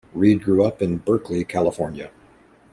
Reid grew up in Berkeley, California.